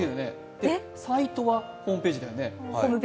サイトはホームページだよね。